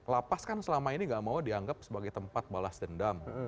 lapas kan selama ini gak mau dianggap sebagai tempat balas dendam